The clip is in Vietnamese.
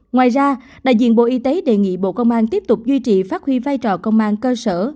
ngoài ra đại diện bộ y tế đề nghị bộ công an tiếp tục duy trì phát huy vai trò công an cơ sở